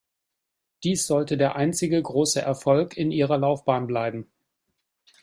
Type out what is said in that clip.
Dies sollte der einzige große Erfolg in ihrer Laufbahn bleiben.